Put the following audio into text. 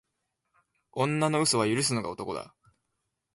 女の嘘は許すのが男だ